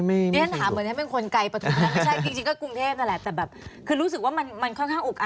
นี่ฉันถามเหมือนเป็นคนไกลปฐุม